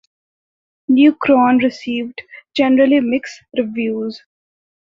"Neocron" received generally mixed reviews.